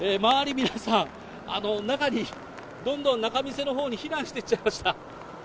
皆さん、中に、どんどん仲見世のほうに避難していっちゃいました。